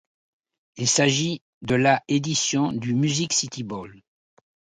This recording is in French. Il s'agit de la édition du Music City Bowl.